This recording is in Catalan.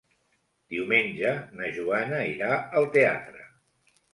Diumenge na Joana irà al teatre.